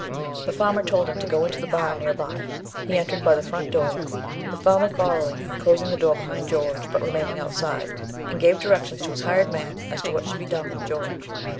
The farmer told him to go into the barn near by; he entered by the front door, the farmer following, and closing the door behind George, but remaining outside, and gave directions to his hired man as to what should be done with George.